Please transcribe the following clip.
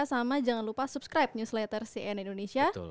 sama jangan lupa subscribe newsletter cnn indonesia